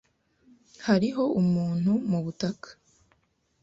Hariho umuntu mubutaka.